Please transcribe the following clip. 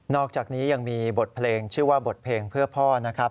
อกจากนี้ยังมีบทเพลงชื่อว่าบทเพลงเพื่อพ่อนะครับ